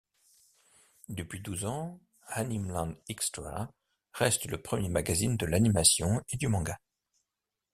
Depuis douze ans, AnimeLand Xtra reste le premier magazine de l'animation et du manga.